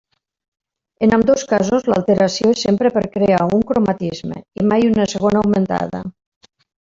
En ambdós casos l'alteració és sempre per crear un cromatisme i mai una segona augmentada.